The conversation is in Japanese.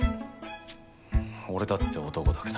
俺だって男だけど。